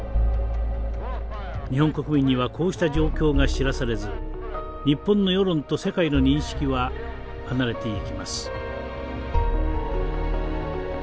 日本国民にはこうした状況が知らされず日本の世論と世界の認識は離れていきます。